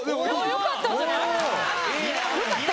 よかったんじゃない？